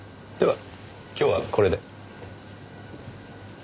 では今日はこれで。